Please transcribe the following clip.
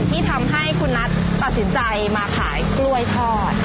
ที่ทำให้คุณนัทตัดสินใจมาขายกล้วยทอด